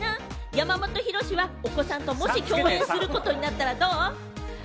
山本博は、お子さんともし共演することになったらどう？